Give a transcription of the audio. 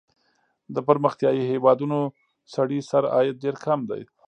د پرمختیايي هېوادونو سړي سر عاید ډېر کم دی.